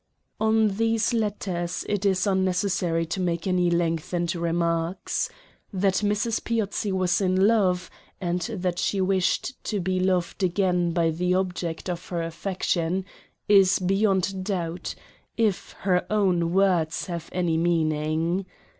On these letters it is unnecessary to make any length ened remarks. That Mrs. Piozzi was in love, and that she wished to be loved again by the object of her affection, is beyond doubt, if her own words have any meaning.